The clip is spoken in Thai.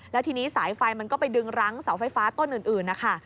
แล้วทีนี้สายไฟมันก็ไปดึงรั้งเสาไฟฟ้าต้นอื่นนะคะ